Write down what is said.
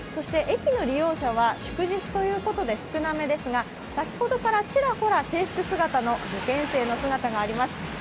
駅の利用者は祝日ということで少なめですが、先ほどからちらほら制服姿の受験生の姿があります。